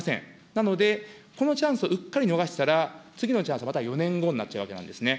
なので、このチャンスをうっかり逃したら、次のチャンス、また４年後になっちゃうわけなんですね。